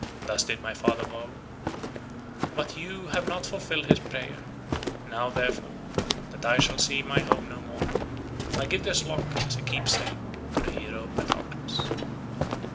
Thus did my father vow, but you have not fulfilled his prayer; now, therefore, that I shall see my home no more, I give this lock as a keepsake to the hero Patroclus."